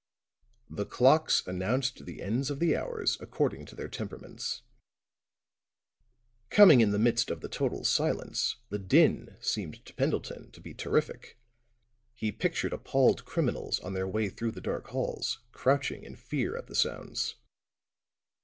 The clocks announced the ends of the hours according to their temperaments; coming in the midst of the total silence, the din seemed to Pendleton to be terrific; he pictured appalled criminals on their way through the dark halls, crouching in fear at the sounds.